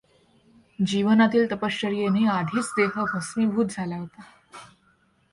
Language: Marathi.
जीवनातील तपश्चर्येने आधीच देह भस्मीभूत झाला होता.